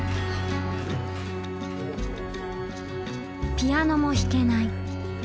ピアノも弾けない。